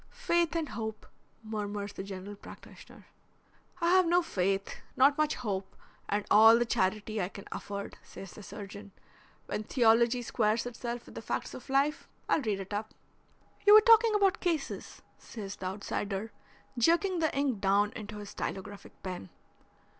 "Faith and hope," murmurs the general practitioner. "I have no faith, not much hope, and all the charity I can afford," says the surgeon. "When theology squares itself with the facts of life I'll read it up." "You were talking about cases," says the outsider, jerking the ink down into his stylographic pen.